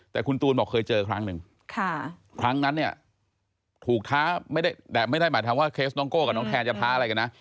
แต่คุณตูนบอกเคยเจอครั้งหนึ่งครั้งนั้นเนี่ยถูกท้าไม่ได้แต่ไม่ได้หมายความว่าเคสน้องโก้กับน้องแทนจะท้าอะไรกันนะ